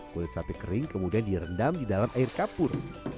kulit sapi kering kemudian direndam di dalam air kapur